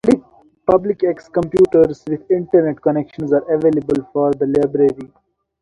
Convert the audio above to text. Public access computers with Internet connections are available for use at the library.